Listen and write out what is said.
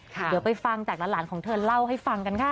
เดี๋ยวไปฟังจากหลานของเธอเล่าให้ฟังกันค่ะ